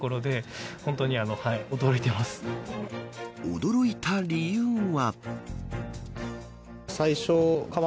驚いた理由は。